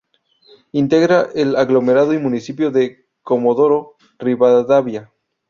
Integra el aglomerado y municipio de Comodoro Rivadavia.